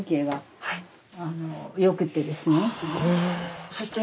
はい。